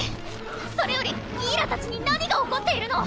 それよりギーラたちに何が起こっているの？